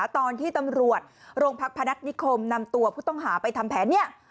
ตอนที่ตำรวจโรงพักพนัฐนิคมนำตัวผู้ต้องหาไปทำแผนเนี่ย